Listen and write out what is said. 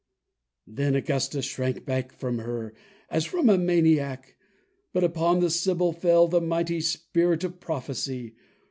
Then Augustus shrank back from her, as from a maniac. But upon the sibyl fell the mighty spirit of prophecy.